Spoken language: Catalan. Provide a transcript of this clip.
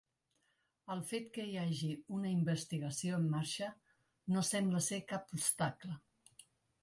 El fet que hi hagi una investigació en marxa no sembla ser cap obstacle.